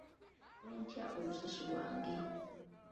Nkole ntya olususu lwange?